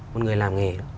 một người làm nghề